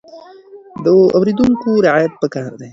د اورېدونکي رعايت پکار دی.